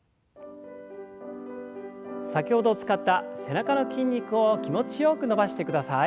先ほど使った背中の筋肉を気持ちよく伸ばしてください。